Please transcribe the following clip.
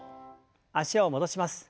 脚を戻します。